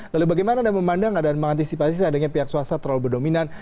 lalu bagaimana anda memandang dan mengantisipasi seandainya pihak swasta terlalu berdominan